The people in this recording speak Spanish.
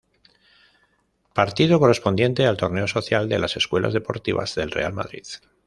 Partido correspondiente al torneo social de las Escuelas deportivas del Real Madrid.